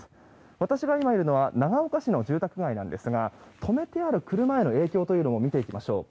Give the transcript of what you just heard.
私が今いるのは長岡市の住宅街なんですが止めてある車への影響を見ていきましょう。